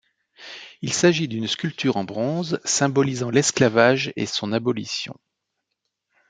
Il s'agit d'une sculpture en bronze symbolisant l'esclavage et son abolition.